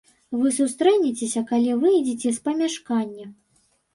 Вы сустрэнецеся, калі выйдзеце з памяшкання.